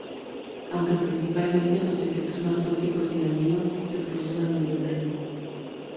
Aunque principalmente, los efectos más tóxicos y dañinos se producen a nivel del riñón.